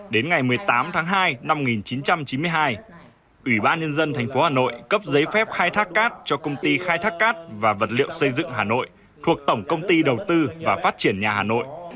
đến ngày một mươi tám tháng hai năm một nghìn chín trăm chín mươi hai ủy ban nhân dân tp hà nội cấp giấy phép khai thác cát cho công ty khai thác cát và vật liệu xây dựng hà nội thuộc tổng công ty đầu tư và phát triển nhà hà nội